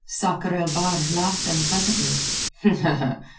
Sakr el Bahr laughed unpleasantly.